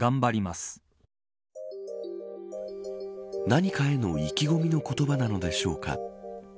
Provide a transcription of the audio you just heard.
何かへの意気込みの言葉なのでしょうか。